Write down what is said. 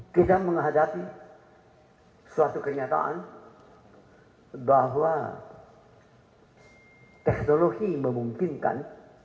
kita menghadapi suatu kenyataan bahwa teknologi memungkinkan